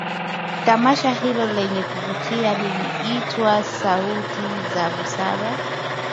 Tamasha Hilo lenye kuvutia linaitwa sauti za busara